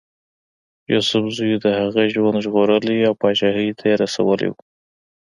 یوسفزیو د هغه ژوند ژغورلی او پاچهي ته رسولی وو.